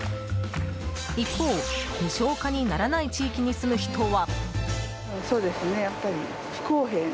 一方、無償化にならない地域に住む人は。